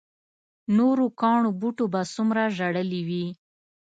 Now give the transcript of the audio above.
نورو کاڼو بوټو به څومره ژړلي وي.